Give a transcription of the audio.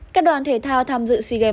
các đoàn thể thao tham dự sigem ba mươi một